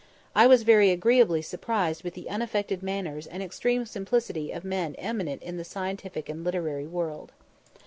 I was very agreeably surprised with the unaffected manners and extreme simplicity of men eminent in the scientific and literary world.